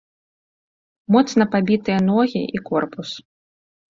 Моцна пабітыя ногі і корпус.